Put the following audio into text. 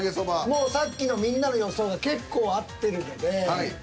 もうさっきのみんなの予想が結構合ってるので。